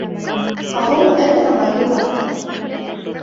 أظن أنها مريضة.